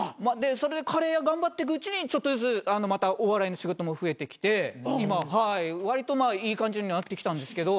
それでカレー屋頑張ってくうちにちょっとずつまたお笑いの仕事も増えてきて今わりといい感じにはなってきたんですけど。